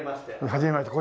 はじめまして。